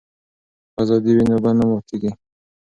که ازادي وي نو بند نه پاتې کیږي.